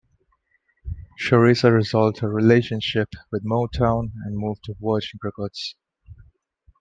Sharissa resolved her relationship with Motown and moved to Virgin Records.